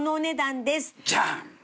ジャン！